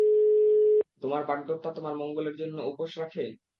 তোমার বাগদত্তা তোমার মঙ্গলের জন্য উপোষ রাখে?